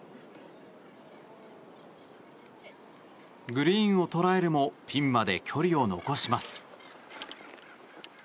グリーンを捉えるもピンまで距離を残します。